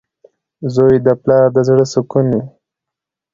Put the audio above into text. • زوی د پلار د زړۀ سکون وي.